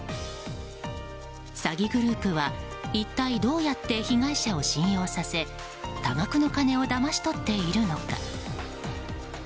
詐欺グループは一体どうやって被害者を信用させ多額の金をだまし取っているのか。